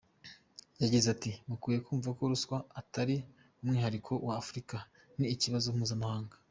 Yagize ati “Mukwiye kumva ko ruswa atari umwihariko wa Afurika, ni ikibazo mpuzamahanga.